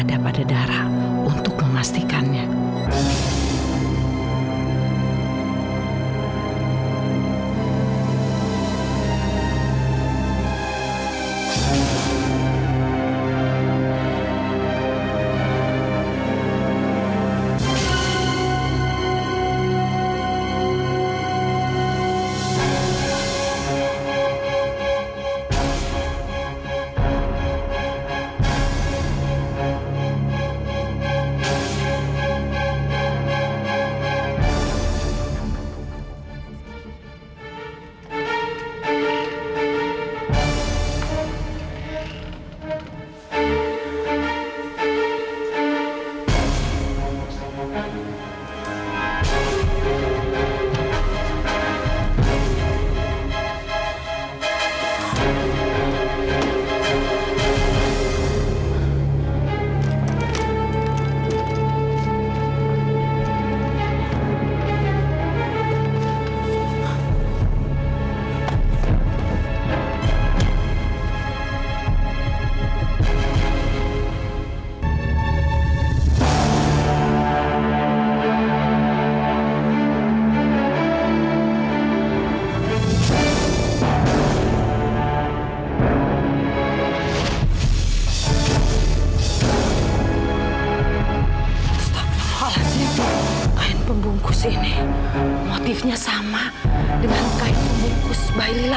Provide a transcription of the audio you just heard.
apa anak lila yang sebenarnya itu adalah aksan